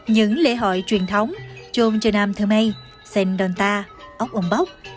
những lễ hội truyền thống chôn chờ nam thơ mây sen donta ốc ống bóc